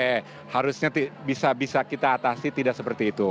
oke harusnya bisa bisa kita atasi tidak seperti itu